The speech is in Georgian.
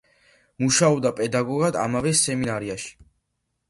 მუშაობდა პედაგოგად ამავე სემინარიაში.